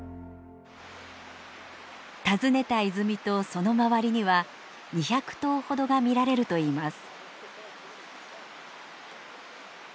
訪ねた泉とその周りには２００頭ほどが見られるといいます。